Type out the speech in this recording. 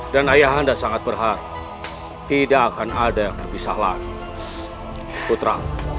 dan ayah anda sangat berharga tidak akan ada yang terpisah lagi putra